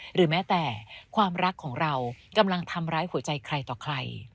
หรือแม้แต่ความรักของเรากำลังทำร้ายหัวใจใครต่อใคร